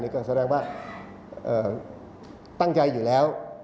ก็แสดงว่าตั้งใจอยู่แล้ว